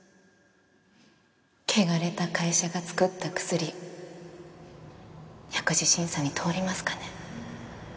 汚れた会社が作った薬薬事審査に通りますかね？